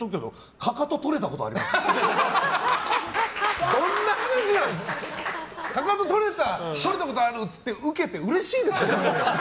かかと取れたことあるって言ってウケて、うれしいですか？